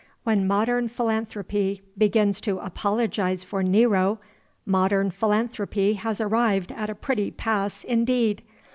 When modern philanthropy begins to apologize for Nero, modern philanthropy has arrived at a pretty pass indeed!